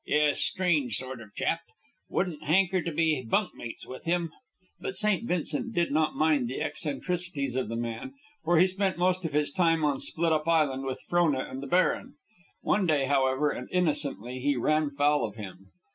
Yes, strange sort of a chap. Wouldn't hanker to be bunk mates with him." But St. Vincent did not mind the eccentricities of the man, for he spent most of his time on Split up Island with Frona and the Baron. One day, however, and innocently, he ran foul of him.